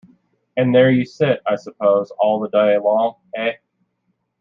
And there you sit, I suppose, all the day long, eh?